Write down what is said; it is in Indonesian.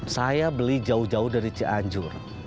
saya beli jauh jauh dari cianjur